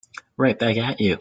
Right back at you.